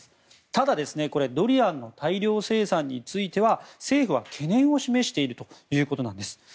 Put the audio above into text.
ただ、ドリアンの大量生産については政府は懸念を示しているということなんです。